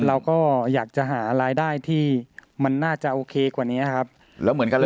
เราก็อยากจะหารายได้ที่มันน่าจะโอเคกว่านี้ครับแล้วเหมือนกัน